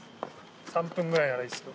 ３分ぐらいならいいですよ。